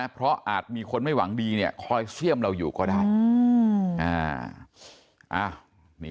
เพราะอาจมีคนไม่หวังดีคอยเสี่ยมเราอยู่ก็ได้